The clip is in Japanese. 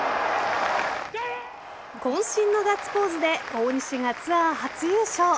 渾身のガッツポーズで大西がツアー初優勝。